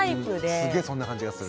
すげえそんな感じがする。